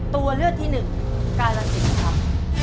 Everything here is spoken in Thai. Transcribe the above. ตัวเลือกที่หนึ่งกาลสินครับ